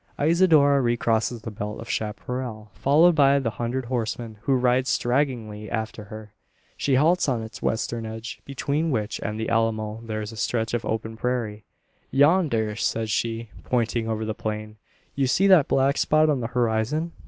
Isidora re crosses the belt of chapparal followed by the hundred horsemen, who ride stragglingly after her. She halts on its western edge; between which and the Alamo there is a stretch of open prairie. "Yonder!" says she, pointing over the plain; "you see that black spot on the horizon?